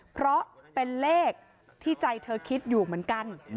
เพราะเป็นเลขที่ใจเธอคิดอยู่เหมือนกัน